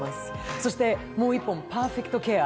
そしてもう一本、「パーフェクト・ケア」。